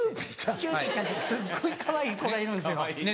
チューピーちゃんってすっごいかわいい子がいるんですよ。